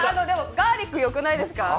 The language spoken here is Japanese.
でもガーリックよくないですか？